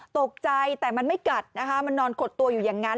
ตกใจแต่มันไม่กัดนะคะมันนอนขดตัวอยู่อย่างนั้น